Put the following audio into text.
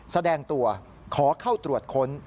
แสดงตัวขอเข้าตรวจค้น